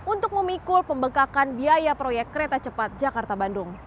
untuk memikul pembekakan biaya proyek kereta cepat jakarta bandung